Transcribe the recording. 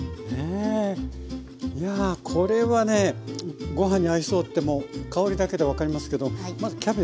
いやこれはねご飯に合いそうってもう香りだけで分かりますけどまずキャベツね